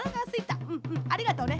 うんうんありがとうね。